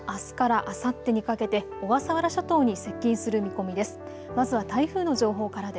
台風１２号はあすからあさってにかけて小笠原諸島に接近する見込みです。